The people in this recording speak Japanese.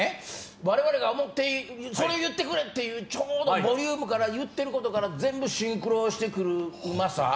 われわれが思ってるそれ言ってくれっていうちょうどボリュームから言ってることから全部シンクロしてくるうまさ。